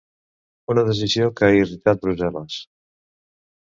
Una decisió que ha irritat Brussel·les.